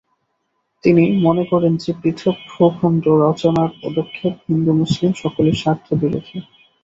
তিনি মনে করেন যে, পৃথক ভূখণ্ড রচনার পদক্ষেপ হিন্দু-মুসলিম সকলের স্বার্থবিরােধী।